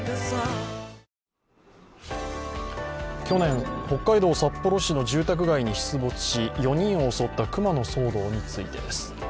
去年、北海道札幌市の住宅街に出没し４人を襲った熊の騒動についてです